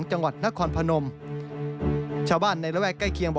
ทำให้เกิดปัชฎพลลั่นธมเหลืองผู้สื่อข่าวไทยรัฐทีวีครับ